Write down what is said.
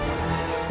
aku mau ke rumah